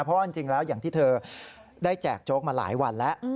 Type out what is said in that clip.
เพราะว่าจริงแล้วอย่างที่เธอได้แจกโจ๊กมาหลายวันแล้ว